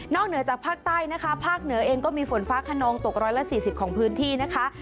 เหนือจากภาคใต้นะคะภาคเหนือเองก็มีฝนฟ้าขนองตก๑๔๐ของพื้นที่นะคะ